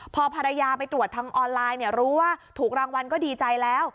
พอภรรยาไปตรวจทางออนไลน์เนี่ยรู้ว่าถูกรางวัลก็ดีใจแล้ว